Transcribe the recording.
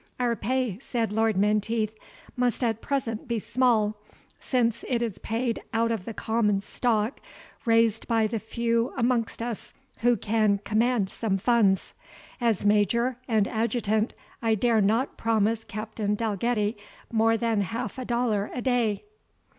"Our pay," said Lord Menteith, "must at present be small, since it is paid out of the common stock raised by the few amongst us who can command some funds As major and adjutant, I dare not promise Captain Dalgetty more than half a dollar a day."